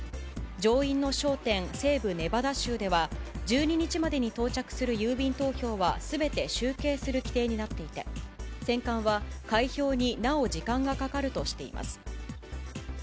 上院の焦点、西部ネバダ州では、１２日までに到着する郵便投票はすべて集計する規定になっていて、選管は開票になお時間がかかるとしています。